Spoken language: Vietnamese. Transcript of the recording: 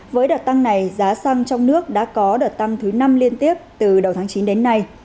với đợt tăng này giá xăng trong nước đã có đợt tăng thứ năm liên tiếp từ đầu tháng chín đến nay